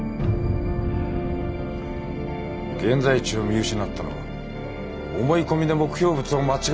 現在地を見失ったのは思い込みで目標物を間違えたからだ。